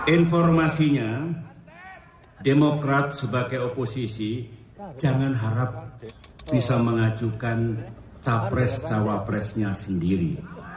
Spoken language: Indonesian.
informasinya demokrat sebagai oposisi jangan harap bisa mengajukan capres cawapresnya sendiri